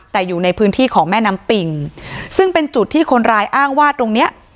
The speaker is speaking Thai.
แต่อยู่ในพื้นที่ของแม่น้ำปิงซึ่งเป็นจุดที่คนร้ายอ้างว่าตรงเนี้ย